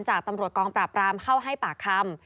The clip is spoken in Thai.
จากตำรวจกองปราบรามเข้าให้ปากคำ